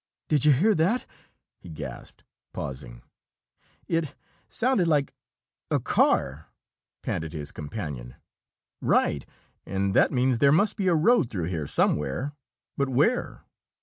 "Did you hear that?" he gasped, pausing. "It sounded like a car!" panted his companion. "Right. And that means there must be a road through here somewhere! But where?"